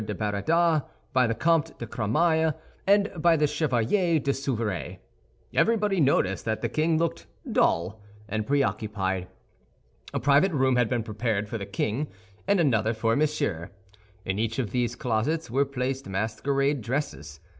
de Baradas, by the Comte de Cramail, and by the Chevalier de Souveray. Everybody noticed that the king looked dull and preoccupied. A private room had been prepared for the king and another for Monsieur. In each of these closets were placed masquerade dresses.